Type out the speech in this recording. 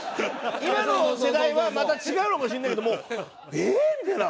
今の世代はまた違うのかもしれないけどもええー！みたいな。